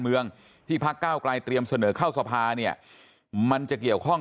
เมืองที่พักเก้าไกลเตรียมเสนอเข้าสภาเนี่ยมันจะเกี่ยวข้อง